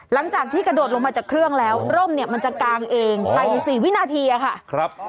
หลังจากที่กระโดดลงมาจากเครื่องแล้วร่มเนี่ยมันจะกางเองภายใน๔วินาทีอะค่ะ